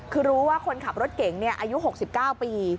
คือรู้ว่าคนขับรถเก่งอายุ๖๙ปี